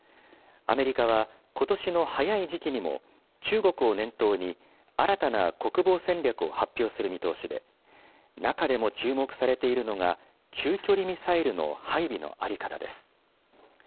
アメリカはことしの早い時期にも、中国を念頭に、新たな国防戦略を発表する見通しで、中でも注目されているのが、中距離ミサイルの配備の在り方です。